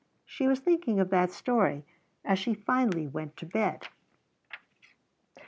She was thinking of that story as she finally went to bed.